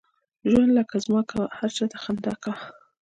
ژوند لکه زما کوه ، هر چاته خنده کوه!